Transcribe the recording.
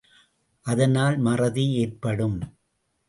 அதனால் மறதி ஏற்படும்.